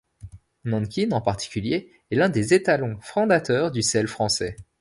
Nankin, en particulier, est l'un des étalons fondateurs du Selle français.